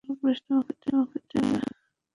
যদি সে মারা যায়, তাহলে পুলিশ তোমাকে টেনে নিয়ে যাবে।